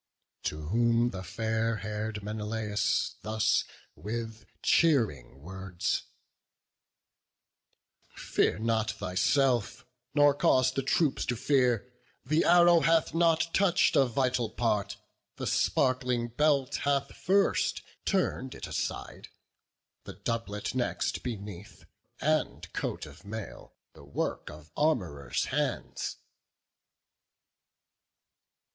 To whom the fair hair'd Menelaus thus With, cheering words: "Fear not thyself, nor cause The troops to fear: the arrow hath not touch'd A vital part: the sparkling belt hath first Turn'd it aside, the doublet next beneath, And coat of mail, the work of arm'rer's hands."